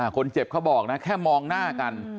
คนเจ็บเขาบอกนะแค่มองหน้ากัน